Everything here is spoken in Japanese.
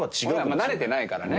俺らは慣れてないからね。